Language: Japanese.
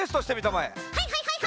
はいはいはいはいはい！